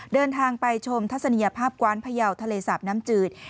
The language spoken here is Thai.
เดินทางไปชมทัศนียภาพกว้านพยาวทะเลสาบน้ำจืด